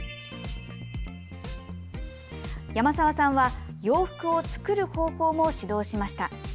山澤さんは洋服を作る方法も指導しました。